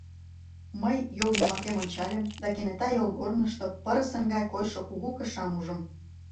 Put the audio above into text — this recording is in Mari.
Мый йол йымакем ончальым да кенета йолгорнышто пырысын гай койшо кугу кышам ужым.